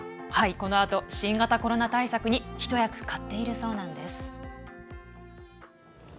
このアート新型コロナ対策に一役買っているそうです。